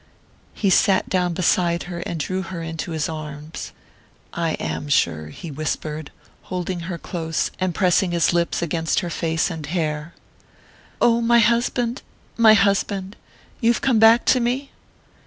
He sat down beside her and drew her into his arms. "I am sure," he whispered, holding her close, and pressing his lips against her face and hair. "Oh, my husband my husband! You've come back to me?"